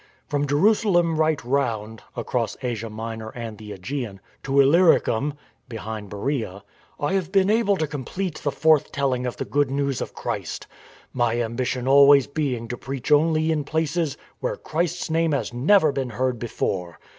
From Jerusalem right round (across Asia Minor and the ^gean) to Illyricum (behind ,Beroea) I have been able to complete the forth telling of the Good News of Christ — my ambition always 210 STORM AND STRESS being to preach only in places where Christ's name has never been heard before.